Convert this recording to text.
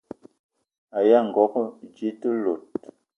Aya ngogo dze te lot?